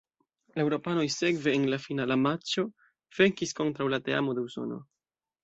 La eŭropanoj sekve en la finala matĉo venkis kontraŭ la teamo de Usono.